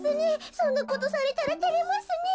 そんなことされたらてれますねえ。